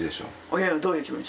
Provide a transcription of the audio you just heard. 親へのどういう気持ち？